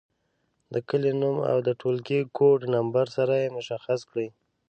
د کلي نوم او د ټولګي کوډ نمبر سره یې مشخص کړئ.